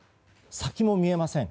先も見えません。